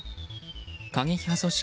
過激派組織